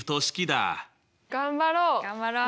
頑張ろう！